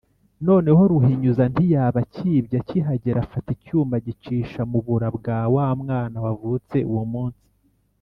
Noneho ruhinyuza ntiyaba akibye akihagera afata icyuma, agicisha mu bura bwa wa mwana wavutse uwo munsi